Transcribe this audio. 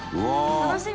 楽しみ！